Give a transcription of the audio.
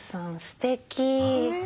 すてき。